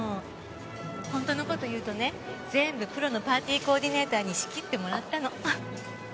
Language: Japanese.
本当の事言うとね全部プロのパーティーコーディネーターに仕切ってもらったの。